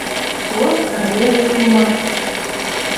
Вот рвезе тумо.